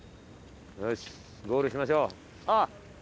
よしゴールしましょう。